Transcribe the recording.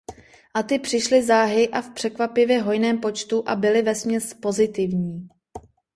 A ty přišly záhy a v překvapivě hojném počtu a byly vesměs pozitivní.